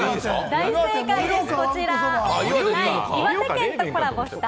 大正解です！